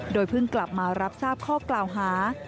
โดยเพิ่งกลับมารับทราบข้อกล่าวหา